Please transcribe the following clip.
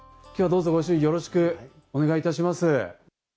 今日はどうぞご主人、よろしくお願いいたします。